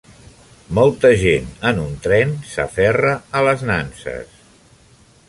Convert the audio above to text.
Molta gent en un tren s'aferra a les nanses